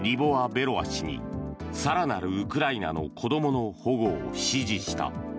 ・ベロワ氏に更なるウクライナの子供の保護を指示した。